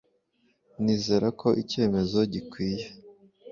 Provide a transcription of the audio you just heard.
Nizera ko icyemezo gikwiye